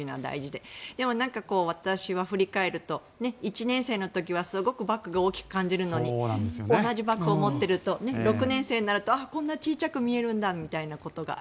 でも、私は振り返ると１年生の時はすごくバッグが大きく感じるのに同じバッグを持っていると６年生になるとあ、こんなに小さく見えるんだみたいなことが。